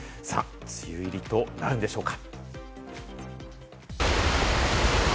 梅雨入りとなるんでしょうか？